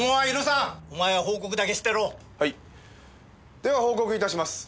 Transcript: では報告いたします。